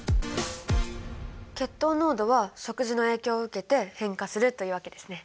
血糖濃度は食事の影響を受けて変化するというわけですね。